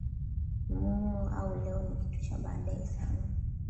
muuu au leo ni kitu cha baadaye sana